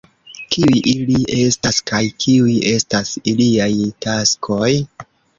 Kiuj ili estas, kaj kiuj estas iliaj taskoj?